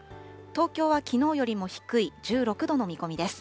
東京はきのうよりも低い１６度の見込みです。